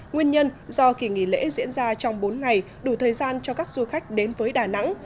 nguyên nhân do kỳ nghỉ lễ diễn ra trong bốn ngày đủ thời gian cho các du khách đến với đà nẵng